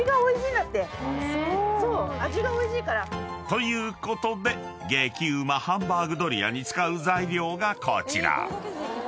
［ということで激うまハンバーグドリアに使う材料がこちら］